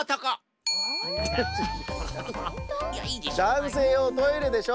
だんせいようトイレでしょ！